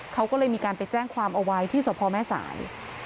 เขาก็เลยมีการไปแจ้งความเอาไว้ที่สพแม่สาย